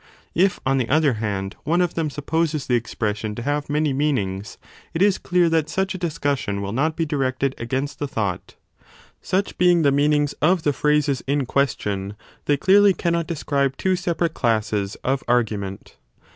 If, on 25 the other hand, one of them 2 supposes the expression to have many meanings, it is clear that such a discussion will not be directed against the thought. Such being the meanings of the phrases in question, they clearly cannot describe two separate classes of argument.